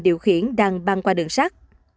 điều khiển đang băng qua đường sắt